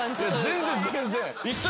全然全然。